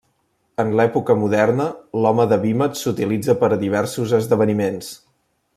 En l'època moderna, l'home de vímet s'utilitza per a diversos esdeveniments.